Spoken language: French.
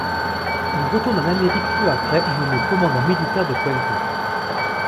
Il retourne en Amérique peu après, nommé commandant militaire de Cuenca.